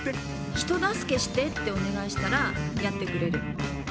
「人助けして」ってお願いしたらやってくれる。